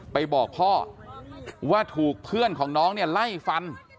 ไปบอกพ่อว่าถูกเพื่อนของน้องเนี่ยไล่ฟัน